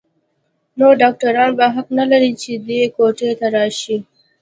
نور ډاکتران به حق نه لري چې دې کوټې ته راشي.